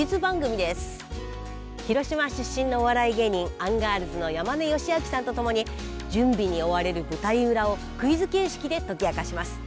広島出身のお笑い芸人アンガールズの山根良顕さんと共に準備に追われる舞台裏をクイズ形式で解き明かします。